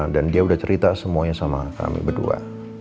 dan dia udah cerita semuanya sama kami berdua